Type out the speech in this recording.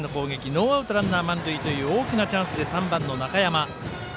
ノーアウト、ランナー、満塁という大きなチャンスの中で中山。